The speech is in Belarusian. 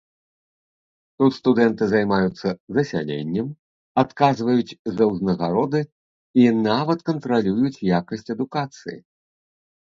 Тут студэнты займаюцца засяленнем, адказваюць за ўзнагароды і нават кантралююць якасць адукацыі.